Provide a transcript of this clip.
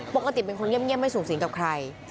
ปกติเป็นคนเงียบไม่สูงสิงกับใคร